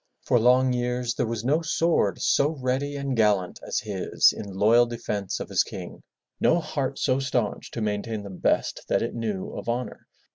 For long years there was no sword so ready and gallant as his in loyal defence of his king, no heart so staunch to maintain the best that it knew of honor.